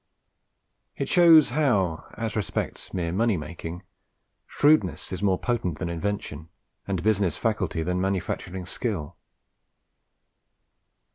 It shows how, as respects mere money making, shrewdness is more potent than invention, and business faculty than manufacturing skill.